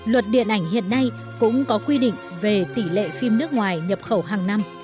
luật điện ảnh hiện nay cũng có quy định về tỷ lệ phim nước ngoài nhập khẩu hàng năm